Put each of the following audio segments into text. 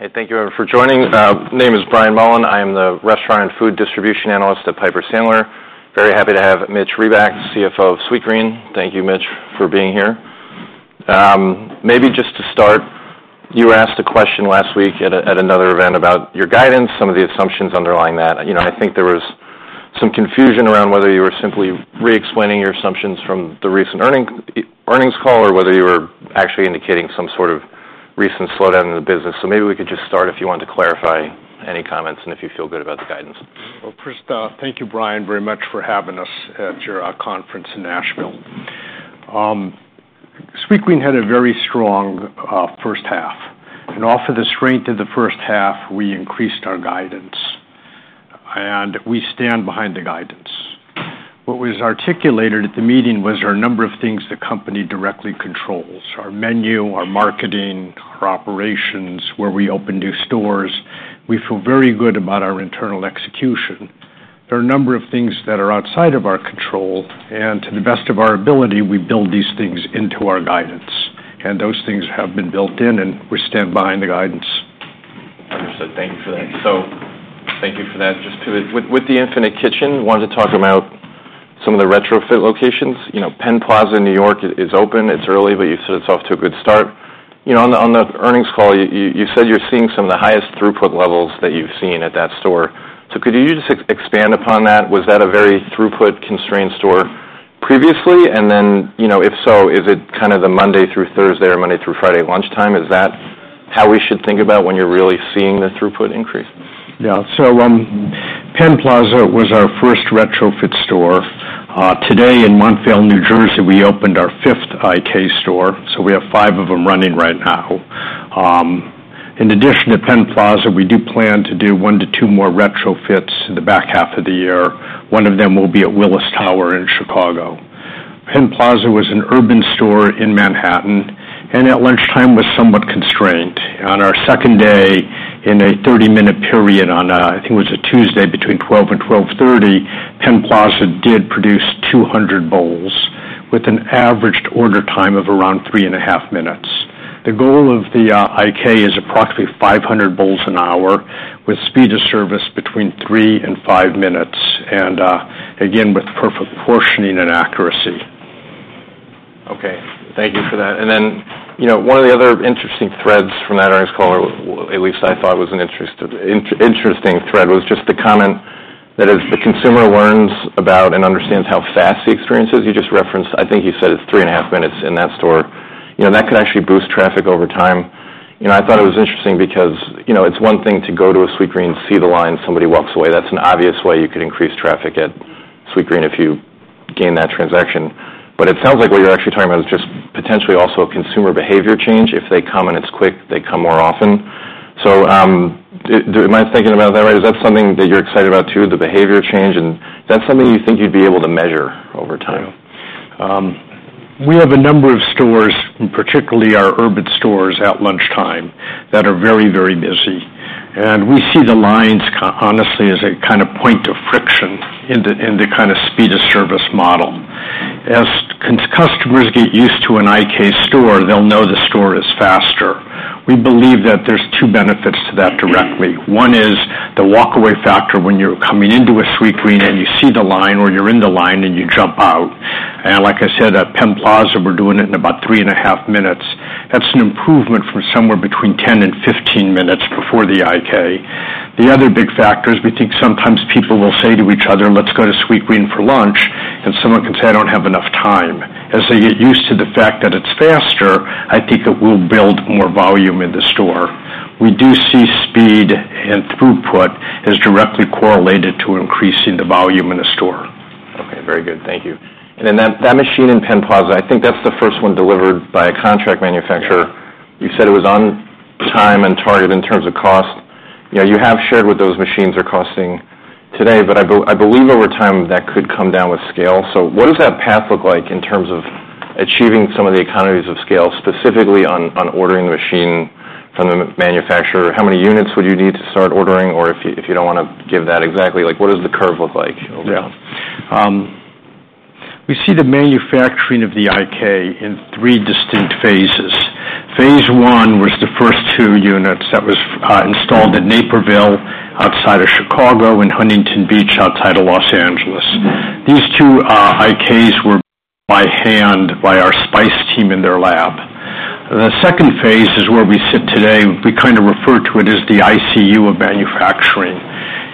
Hey, thank you everyone for joining. My name is Brian Mullan. I am the restaurant and food distribution analyst at Piper Sandler. Very happy to have Mitch Reback, CFO of Sweetgreen. Thank you, Mitch, for being here. Maybe just to start, you were asked a question last week at another event about your guidance, some of the assumptions underlying that. You know, I think there was some confusion around whether you were simply re-explaining your assumptions from the recent earnings call, or whether you were actually indicating some sort of recent slowdown in the business. So maybe we could just start, if you want to clarify any comments and if you feel good about the guidance. Well, first, thank you, Brian, very much for having us at your conference in Nashville. Sweetgreen had a very strong first half, and off of the strength of the first half, we increased our guidance, and we stand behind the guidance. What was articulated at the meeting was there are a number of things the company directly controls: our menu, our marketing, our operations, where we open new stores. We feel very good about our internal execution. There are a number of things that are outside of our control, and to the best of our ability, we build these things into our guidance, and those things have been built in, and we stand behind the guidance. Understood. Thank you for that, so thank you for that. Just with the Infinite Kitchen, wanted to talk about some of the retrofit locations. You know, Penn Plaza in New York is open. It's early, but you said it's off to a good start. You know, on the earnings call, you said you're seeing some of the highest throughput levels that you've seen at that store. So could you just expand upon that? Was that a very throughput-constrained store previously? And then, you know, if so, is it kind of the Monday through Thursday or Monday through Friday lunchtime? Is that how we should think about when you're really seeing the throughput increase? Yeah. So, Penn Plaza was our first retrofit store. Today in Montvale, New Jersey, we opened our fifth IK store, so we have five of them running right now. In addition to Penn Plaza, we do plan to do one to two more retrofits in the back half of the year. One of them will be at Willis Tower in Chicago. Penn Plaza was an urban store in Manhattan, and at lunchtime, was somewhat constrained. On our second day, in a 30-minute period on a Tuesday, I think, between 12:00PM and 12:30PM, Penn Plaza did produce 200 bowls, with an average order time of around three and a half minutes. The goal of the IK is approximately 500 bowls an hour, with speed of service between three and five minutes, and again, with perfect portioning and accuracy. Okay, thank you for that. And then, you know, one of the other interesting threads from that earnings call, or at least I thought was an interesting thread, was just the comment that as the consumer learns about and understands how fast the experience is, you just referenced, I think you said it's three and a half minutes in that store, you know, that could actually boost traffic over time. You know, I thought it was interesting because, you know, it's one thing to go to a Sweetgreen, see the line, somebody walks away. That's an obvious way you could increase traffic at Sweetgreen if you gain that transaction. But it sounds like what you're actually talking about is just potentially also a consumer behavior change. If they come and it's quick, they come more often. So, am I thinking about that right? Is that something that you're excited about, too, the behavior change? And is that something you think you'd be able to measure over time? We have a number of stores, and particularly our urban stores at lunchtime, that are very, very busy, and we see the lines honestly as a kind of point of friction in the, in the kind of speed of service model. As customers get used to an IK store, they'll know the store is faster. We believe that there's two benefits to that directly. One is the walkaway factor when you're coming into a Sweetgreen and you see the line or you're in the line and you jump out, and like I said, at Penn Plaza, we're doing it in about three and a half minutes. That's an improvement from somewhere between 10 and 15 minutes before the IK. The other big factor is we think sometimes people will say to each other, "Let's go to Sweetgreen for lunch," and someone can say, "I don't have enough time." As they get used to the fact that it's faster, I think it will build more volume in the store. We do see speed and throughput as directly correlated to increasing the volume in a store. Okay, very good. Thank you. And then that machine in Penn Plaza, I think that's the first one delivered by a contract manufacturer. You said it was on time and target in terms of cost. You know, you have shared what those machines are costing today, but I believe over time, that could come down with scale. So what does that path look like in terms of achieving some of the economies of scale, specifically on ordering the machine from the manufacturer? How many units would you need to start ordering? Or if you don't want to give that exactly, like, what does the curve look like over time? Yeah. We see the manufacturing of the IK in three distinct phases. Phase one was the first two units that was installed in Naperville, outside of Chicago, and Huntington Beach, outside of Los Angeles. These two IK's were by hand, by our SPYCE team in their lab. The second phase is where we sit today. We kind of refer to it as the ICU of manufacturing.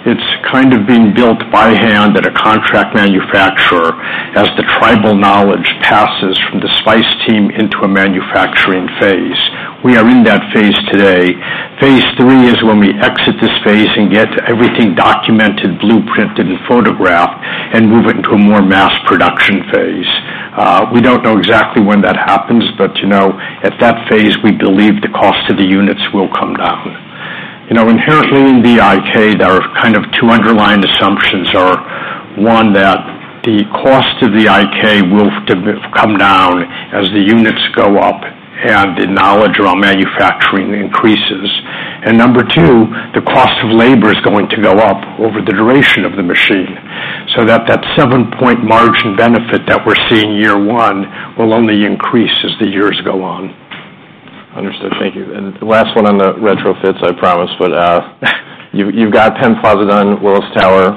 It's kind of being built by hand at a contract manufacturer as the tribal knowledge passes from the SPYCE team into a manufacturing phase. We are in that phase today. Phase three is when we exit this phase and get everything documented, blueprinted, and photographed and move it into a more mass production phase. We don't know exactly when that happens, but you know, at that phase, we believe the cost of the units will come down. You know, inherently in the IK, there are kind of two underlying assumptions are one, that the cost of the IK will come down as the units go up and the knowledge around manufacturing increases. And number two, the cost of labor is going to go up over the duration of the machine. So that seven-point margin benefit that we're seeing year one will only increase as the years go on. Understood. Thank you. And the last one on the retrofits, I promise, but you've got Penn Plaza done, Willis Tower.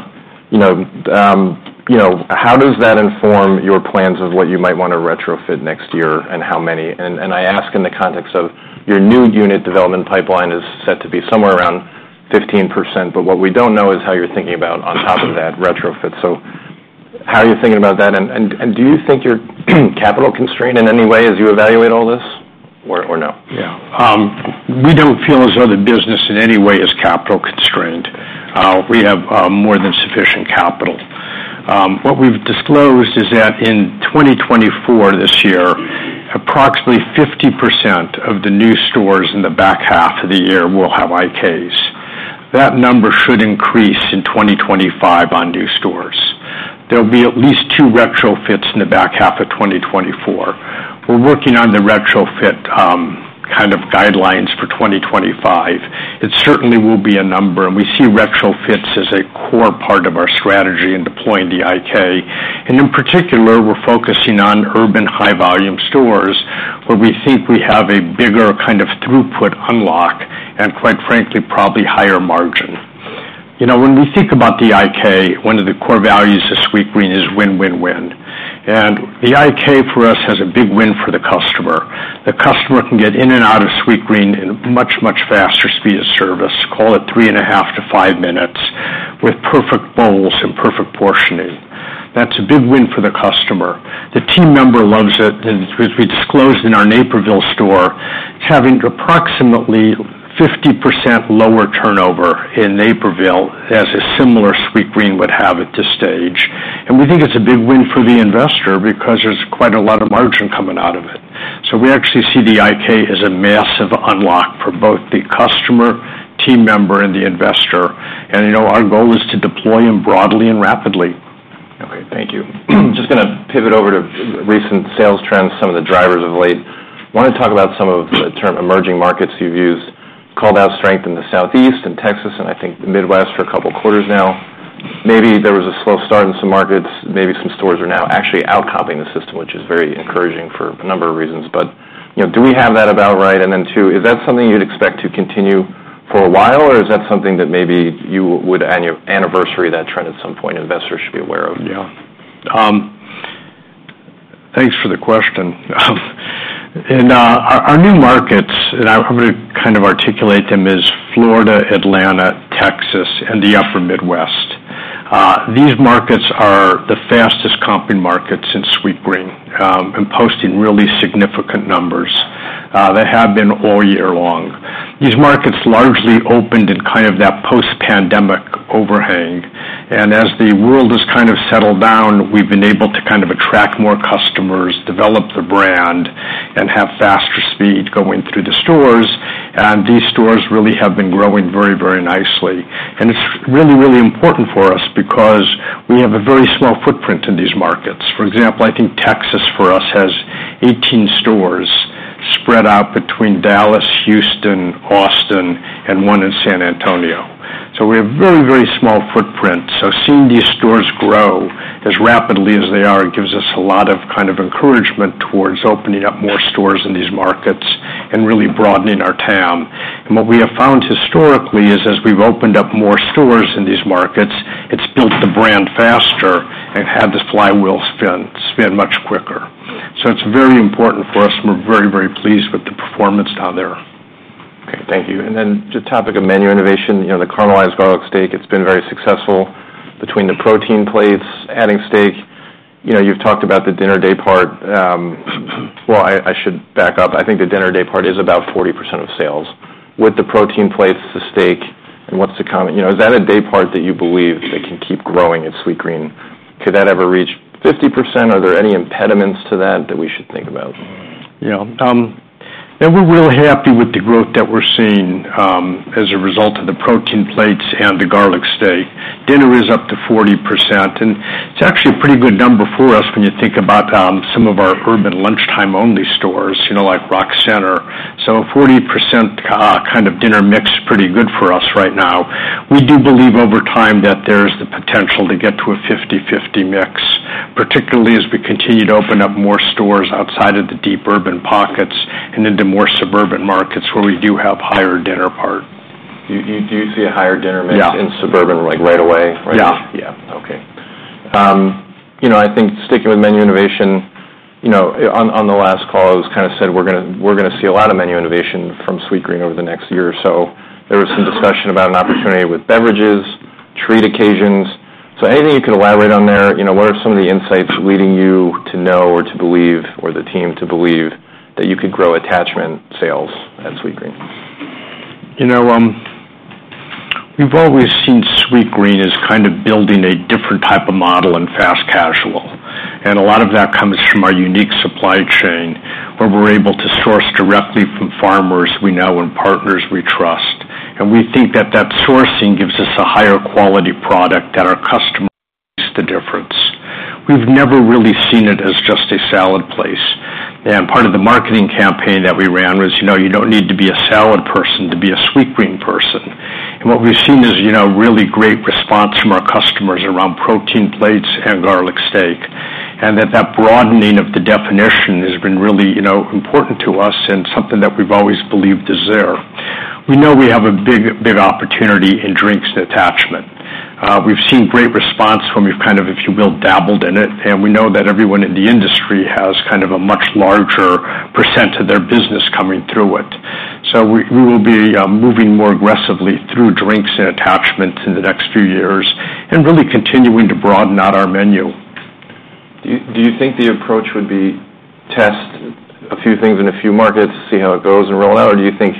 You know, how does that inform your plans of what you might wanna retrofit next year, and how many? And I ask in the context of your new unit development pipeline is set to be somewhere around 15%, but what we don't know is how you're thinking about on top of that retrofit. So how are you thinking about that, and do you think you're capital constrained in any way as you evaluate all this, or no? Yeah. We don't feel as though the business in any way is capital constrained. We have more than sufficient capital. What we've disclosed is that in twenty twenty-four, this year, approximately 50% of the new stores in the back half of the year will have IK's. That number should increase in twenty twenty-five on new stores. There'll be at least two retrofits in the back half of 2024. We're working on the retrofit, kind of guidelines for twenty twenty-five. It certainly will be a number, and we see retrofits as a core part of our strategy in deploying the IK. In particular, we're focusing on urban high-volume stores, where we think we have a bigger kind of throughput unlock and, quite frankly, probably higher margin. You know, when we think about the IK, one of the core values of Sweetgreen is win, win, win. And the IK, for us, has a big win for the customer. The customer can get in and out of Sweetgreen in a much, much faster speed of service, call it three and a half to five minutes, with perfect bowls and perfect portioning. That's a big win for the customer. The team member loves it. And as we disclosed in our Naperville store, having approximately 50% lower turnover in Naperville as a similar Sweetgreen would have at this stage. And we think it's a big win for the investor because there's quite a lot of margin coming out of it. So we actually see the IK as a massive unlock for both the customer, team member, and the investor. You know, our goal is to deploy them broadly and rapidly. Okay, thank you. Just gonna pivot over to recent sales trends, some of the drivers of late. Wanna talk about some of the term emerging markets you've used, called out strength in the Southeast and Texas, and I think the Midwest for a couple of quarters now. Maybe there was a slow start in some markets, maybe some stores are now actually outcomping the system, which is very encouraging for a number of reasons. But, you know, do we have that about right? And then, two, is that something you'd expect to continue for a while, or is that something that maybe you would anniversary that trend at some point, investors should be aware of? Yeah. Thanks for the question. In our new markets, and I'm gonna kind of articulate them, is Florida, Atlanta, Texas, and the Upper Midwest. These markets are the fastest-comping markets in Sweetgreen, and posting really significant numbers. They have been all year long. These markets largely opened in kind of that post-pandemic overhang, and as the world has kind of settled down, we've been able to kind of attract more customers, develop the brand, and have faster speed going through the stores, and these stores really have been growing very, very nicely. And it's really, really important for us because we have a very small footprint in these markets. For example, I think Texas, for us, has 18 stores spread out between Dallas, Houston, Austin, and one in San Antonio. So we have a very, very small footprint. So seeing these stores grow as rapidly as they are, it gives us a lot of kind of encouragement towards opening up more stores in these markets and really broadening our TAM. And what we have found historically is, as we've opened up more stores in these markets, it's built the brand faster and had this flywheel spin, spin much quicker. So it's very important for us, and we're very, very pleased with the performance down there. Okay, thank you. And then the topic of menu innovation, you know, the Caramelized Garlic Steak, it's been very successful between the Protein Plates, adding steak. You know, you've talked about the dinner daypart. Well, I should back up. I think the dinner daypart is about 40% of sales. With the Protein Plates, the steak, and what's to come, you know, is that a daypart that you believe that can keep growing at Sweetgreen? Could that ever reach 50%? Are there any impediments to that, that we should think about? Yeah. And we're really happy with the growth that we're seeing, as a result of the Protein Plates and the Garlic Steak. Dinner is up to 40%, and it's actually a pretty good number for us when you think about, some of our urban lunchtime-only stores, you know, like Rock Center. So a 40%, kind of dinner mix is pretty good for us right now. We do believe over time that there's the potential to get to a 50-50 mix, particularly as we continue to open up more stores outside of the deep urban pockets and into more suburban markets, where we do have higher dinner part. Do you see a higher dinner mix- Yeah. in suburban, like, right away? Yeah. Yeah, okay. You know, I think sticking with menu innovation, you know, on the last call, it was kinda said, we're gonna see a lot of menu innovation from Sweetgreen over the next year or so. There was some discussion about an opportunity with beverages, treat occasions. So anything you could elaborate on there? You know, what are some of the insights leading you to know or to believe, or the team to believe, that you could grow attachment sales at Sweetgreen? You know, we've always seen Sweetgreen as kind of building a different type of model in fast casual, and a lot of that comes from our unique supply chain, where we're able to source directly from farmers we know and partners we trust. And we think that that sourcing gives us a higher quality product that our customers taste the difference. We've never really seen it as just a salad place. And part of the marketing campaign that we ran was, you know, you don't need to be a salad person to be a Sweetgreen person. And what we've seen is, you know, really great response from our customers around protein plates and garlic steak, and that that broadening of the definition has been really, you know, important to us and something that we've always believed is there. We know we have a big, big opportunity in drinks and attachments. We've seen great response. We've kind of, if you will, dabbled in it, and we know that everyone in the industry has kind of a much larger percent of their business coming through it. So we will be moving more aggressively through drinks and attachments in the next few years and really continuing to broaden out our menu. Do you think the approach would be test a few things in a few markets, see how it goes and roll out? Or do you think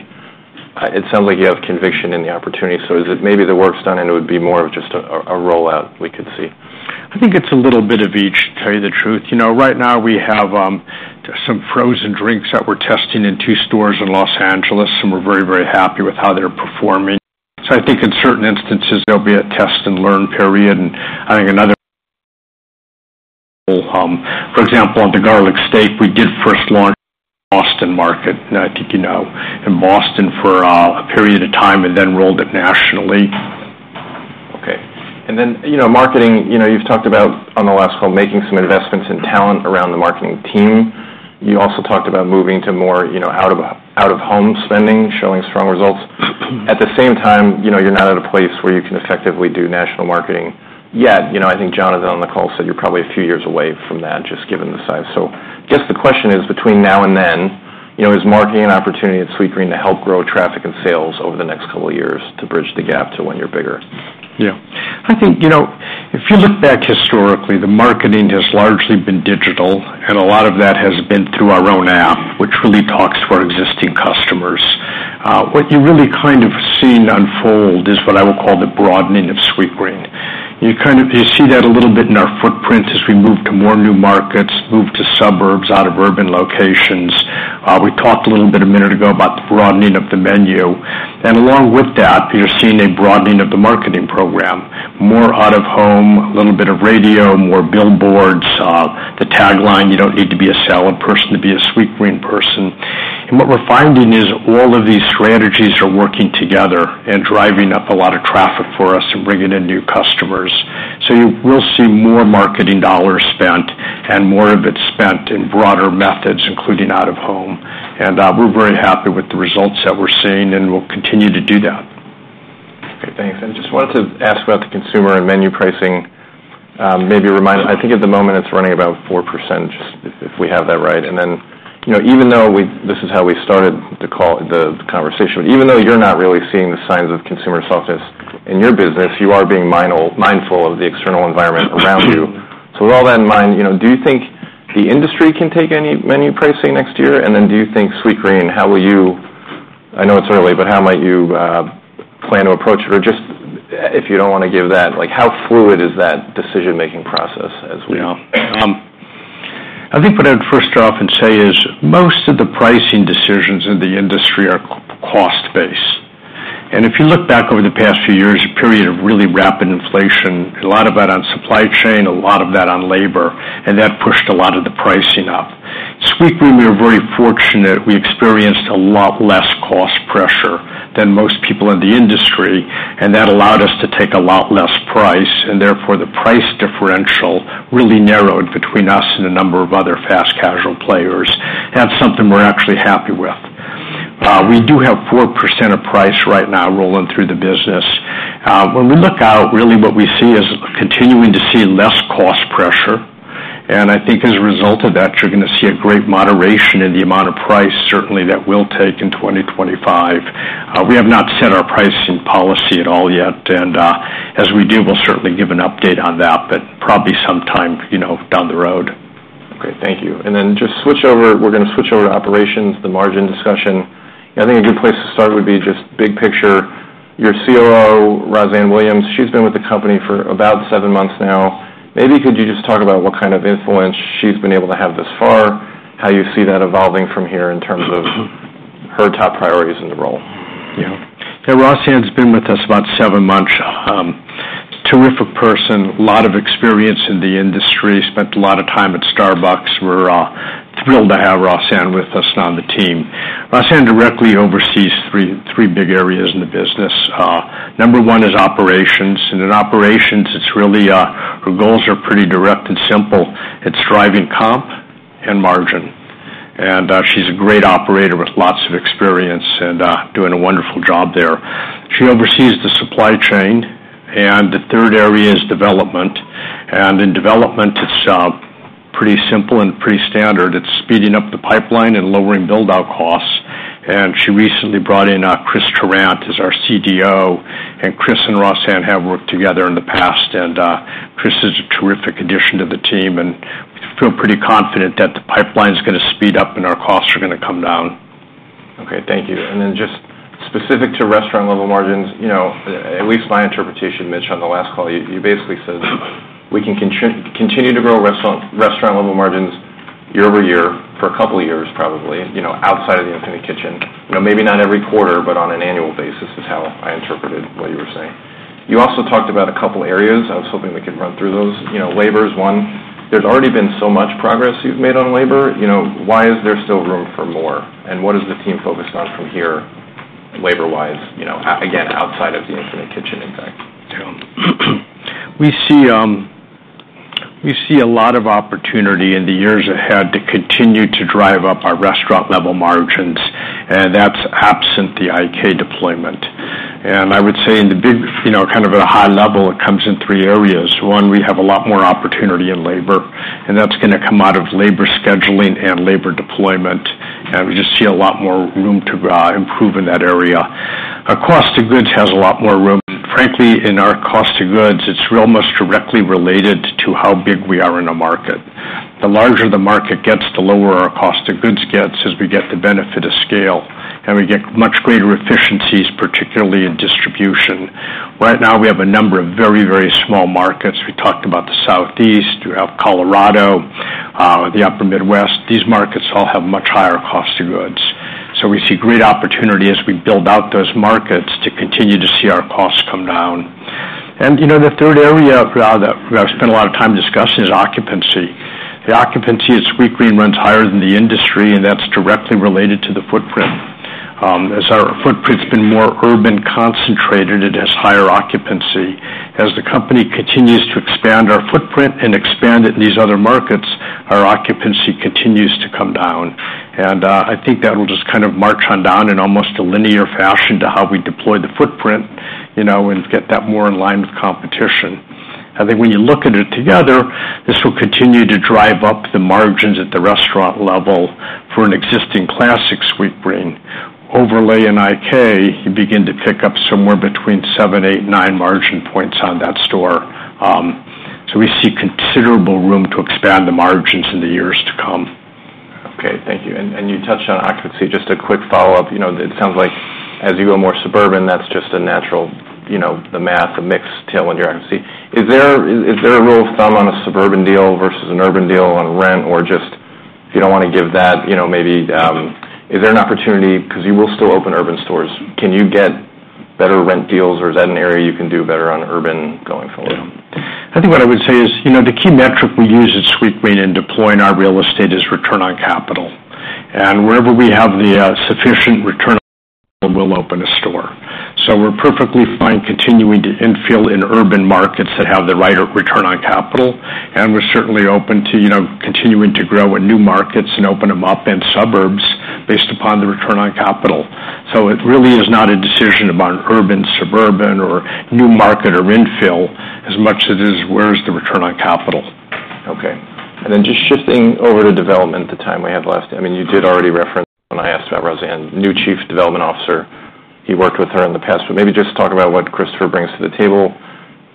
it sounds like you have conviction in the opportunity, so is it maybe the work's done, and it would be more of just a rollout we could see? I think it's a little bit of each, to tell you the truth. You know, right now, we have some frozen drinks that we're testing in two stores in Los Angeles, and we're very, very happy with how they're performing. So I think in certain instances, there'll be a test-and-learn period, and I think another. For example, on the garlic steak, we did first launch Boston market, and I think, you know, in Boston for a period of time and then rolled it nationally. Okay. And then, you know, marketing, you know, you've talked about on the last call, making some investments in talent around the marketing team. You also talked about moving to more, you know, out of home spending, showing strong results. At the same time, you know, you're not at a place where you can effectively do national marketing yet. You know, I think Jonathan, on the call, said you're probably a few years away from that, just given the size. So guess the question is, between now and then, you know, is marketing an opportunity at Sweetgreen to help grow traffic and sales over the next couple of years to bridge the gap to when you're bigger? Yeah. I think, you know, if you look back historically, the marketing has largely been digital, and a lot of that has been through our own app, which really talks to our existing customers. What you really kind of seen unfold is what I will call the broadening of Sweetgreen. You kind of see that a little bit in our footprint as we move to more new markets, move to suburbs out of urban locations. We talked a little bit a minute ago about the broadening of the menu, and along with that, you're seeing a broadening of the marketing program. More out of home, a little bit of radio, more billboards, the tagline, "You don't need to be a salad person to be a Sweetgreen person." And what we're finding is all of these strategies are working together and driving up a lot of traffic for us and bringing in new customers. So we'll see more marketing dollars spent and more of it spent in broader methods, including out of home. And, we're very happy with the results that we're seeing, and we'll continue to do that. Okay, thanks. I just wanted to ask about the consumer and menu pricing. Maybe remind. I think at the moment, it's running about 4%, if we have that right. And then, you know, even though this is how we started the call, the conversation, even though you're not really seeing the signs of consumer softness in your business, you are being mindful of the external environment around you. So with all that in mind, you know, do you think the industry can take any menu pricing next year? And then do you think Sweetgreen, how will you. I know it's early, but how might you plan to approach it? Or just, if you don't want to give that, like, how fluid is that decision-making process as we. Yeah. I think what I'd first off and say is, most of the pricing decisions in the industry are cost-based, and if you look back over the past few years, a period of really rapid inflation, a lot of that on supply chain, a lot of that on labor, and that pushed a lot of the pricing up. Sweetgreen, we are very fortunate. We experienced a lot less cost pressure than most people in the industry, and that allowed us to take a lot less price, and therefore, the price differential really narrowed between us and a number of other fast casual players. That's something we're actually happy with. We do have 4% of price right now rolling through the business. When we look out, really what we see is continuing to see less cost pressure, and I think as a result of that, you're going to see a great moderation in the amount of price certainly that we'll take in 2025. We have not set our pricing policy at all yet, and, as we do, we'll certainly give an update on that, but probably sometime, you know, down the road. Okay, thank you. We're going to switch over to operations, the margin discussion. I think a good place to start would be just big picture. Your COO, Rossann Williams, she's been with the company for about seven months now. Maybe could you just talk about what kind of influence she's been able to have thus far, how you see that evolving from here in terms of her top priorities in the role? Yeah. Yeah, Rossann's been with us about seven months. Terrific person, lot of experience in the industry, spent a lot of time at Starbucks. We're thrilled to have Rossann with us on the team. Rossann directly oversees three big areas in the business. Number one is operations, and in operations, it's really her goals are pretty direct and simple. It's driving comp and margin. And she's a great operator with lots of experience and doing a wonderful job there. She oversees the supply chain, and the third area is development. And in development, it's pretty simple and pretty standard. It's speeding up the pipeline and lowering build-out costs. And she recently brought in Chris Tarrant as our CDO, and Chris and Rossann have worked together in the past, and Chris is a terrific addition to the team, and we feel pretty confident that the pipeline is going to speed up and our costs are going to come down. Okay, thank you. And then just specific to restaurant-level margins, you know, at least my interpretation, Mitch, on the last call, you basically said, "We can continue to grow restaurant-level margins year-over-year for a couple of years, probably, you know, outside of the Infinite Kitchen. You know, maybe not every quarter, but on an annual basis, is how I interpreted what you were saying. You also talked about a couple areas. I was hoping we could run through those. You know, labor is one. There's already been so much progress you've made on labor. You know, why is there still room for more? And what is the team focused on from here, labor-wise, you know, again, outside of the Infinite Kitchen impact? Yeah. We see a lot of opportunity in the years ahead to continue to drive up our restaurant-level margins, and that's absent the IK deployment. And I would say in the big, you know, kind of at a high level, it comes in three areas. One, we have a lot more opportunity in labor, and that's gonna come out of labor scheduling and labor deployment, and we just see a lot more room to improve in that area. Our cost of goods has a lot more room. Frankly, in our cost of goods, it's almost directly related to how big we are in a market. The larger the market gets, the lower our cost of goods gets as we get the benefit of scale, and we get much greater efficiencies, particularly in distribution. Right now, we have a number of very, very small markets. We talked about the Southeast, we have Colorado, the Upper Midwest. These markets all have much higher cost of goods. So we see great opportunity as we build out those markets to continue to see our costs come down, and you know, the third area that we spent a lot of time discussing is occupancy. The occupancy at Sweetgreen runs higher than the industry, and that's directly related to the footprint. As our footprint's been more urban concentrated, it has higher occupancy. As the company continues to expand our footprint and expand it in these other markets, our occupancy continues to come down, and I think that will just kind of march on down in almost a linear fashion to how we deploy the footprint, you know, and get that more in line with competition. I think when you look at it together, this will continue to drive up the margins at the restaurant level for an existing classic Sweetgreen. Overlay an IK, you begin to pick up somewhere between seven, eight, nine margin points on that store. So we see considerable room to expand the margins in the years to come. Okay, thank you. And you touched on occupancy. Just a quick follow-up. You know, it sounds like as you go more suburban, that's just a natural, you know, the math, the mix tailwind you're going to see. Is there a rule of thumb on a suburban deal versus an urban deal on rent? Or just if you don't want to give that, you know, maybe, is there an opportunity, because you will still open urban stores. Can you get better rent deals, or is that an area you can do better on urban going forward? I think what I would say is, you know, the key metric we use at Sweetgreen in deploying our real estate is return on capital. And wherever we have the sufficient return on capital, we'll open a store. So we're perfectly fine continuing to infill in urban markets that have the right return on capital, and we're certainly open to, you know, continuing to grow in new markets and open them up in suburbs based upon the return on capital. So it really is not a decision about urban, suburban, or new market or infill, as much as it is, where is the return on capital? Okay. And then just shifting over to development, the time we have left. I mean, you did already reference when I asked about Rossann, new Chief Development Officer. You worked with her in the past, but maybe just talk about what Chris brings to the table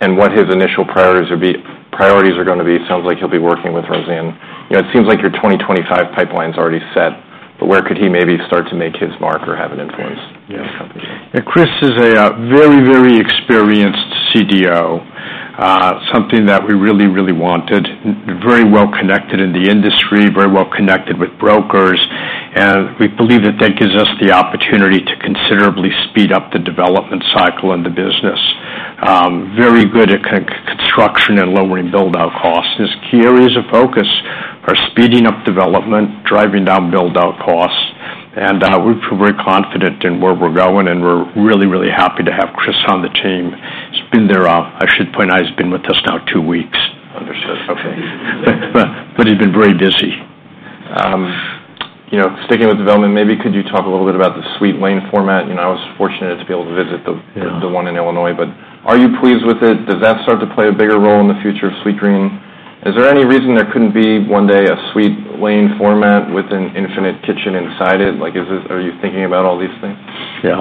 and what his initial priorities would be, priorities are gonna be. Sounds like he'll be working with Rossann. You know, it seems like your 2025 pipeline is already set, but where could he maybe start to make his mark or have an influence in the company? Yeah. Chris is a very, very experienced CDO, something that we really, really wanted. Very well connected in the industry, very well connected with brokers, and we believe that that gives us the opportunity to considerably speed up the development cycle in the business. Very good at construction and lowering build-out costs. His key areas of focus are speeding up development, driving down build-out costs, and we feel very confident in where we're going, and we're really, really happy to have Chris on the team. He's been there. I should point out, he's been with us now two weeks. Understood. Okay. But he's been very busy. You know, sticking with development, maybe could you talk a little bit about the SweetLane format? You know, I was fortunate to be able to visit the- Yeah -the one in Illinois, but are you pleased with it? Does that start to play a bigger role in the future of Sweetgreen? Is there any reason there couldn't be, one day, a SweetLane format with an Infinite Kitchen inside it? Like, is this-- are you thinking about all these things? Yeah,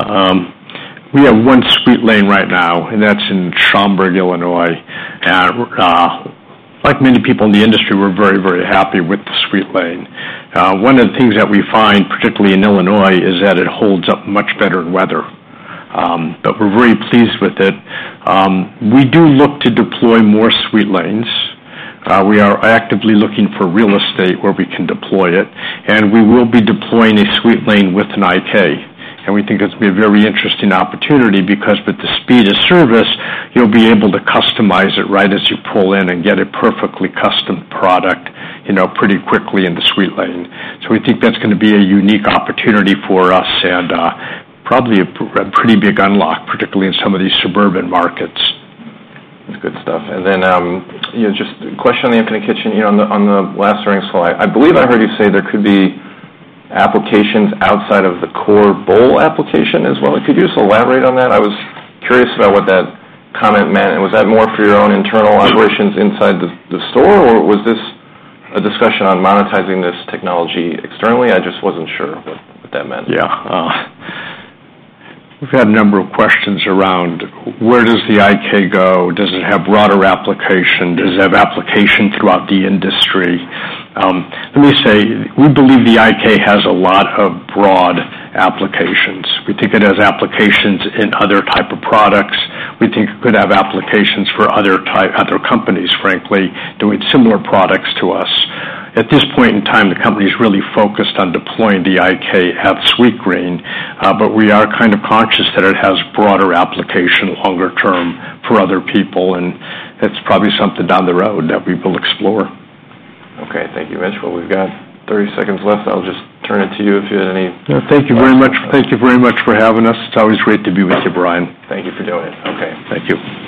we have one SweetLane right now, and that's in Schaumburg, Illinois, and like many people in the industry, we're very, very happy with the SweetLane. One of the things that we find, particularly in Illinois, is that it holds up much better in weather, but we're very pleased with it. We do look to deploy more SweetLanes. We are actively looking for real estate where we can deploy it, and we will be deploying a SweetLane with an IK, and we think it's going to be a very interesting opportunity because with the speed of service, you'll be able to customize it right as you pull in and get a perfectly custom product, you know, pretty quickly in the SweetLane. So we think that's gonna be a unique opportunity for us and, probably a pretty big unlock, particularly in some of these suburban markets. That's good stuff. And then, you know, just a question on the Infinite Kitchen. You know, on the last earnings slide, I believe I heard you say there could be applications outside of the core bowl application as well. Could you just elaborate on that? I was curious about what that comment meant, and was that more for your own internal operations inside the store, or was this a discussion on monetizing this technology externally? I just wasn't sure what that meant. Yeah. We've had a number of questions around: Where does the IK go? Does it have broader application? Does it have application throughout the industry? Let me say, we believe the IK has a lot of broad applications. We think it has applications in other type of products. We think it could have applications for other companies, frankly, doing similar products to us. At this point in time, the company is really focused on deploying the IK at Sweetgreen, but we are kind of conscious that it has broader application, longer term, for other people, and it's probably something down the road that we will explore. Okay. Thank you, Mitch. Well, we've got 30 seconds left. I'll just turn it to you if you had any- Thank you very much. Thank you very much for having us. It's always great to be with you, Brian. Thank you for doing it. Okay. Thank you.